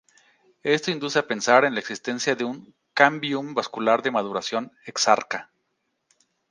Esto induce a pensar en la existencia de un cámbium vascular de maduración exarca.